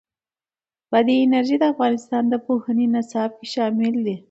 بادي انرژي د افغانستان د پوهنې نصاب کې شامل دي.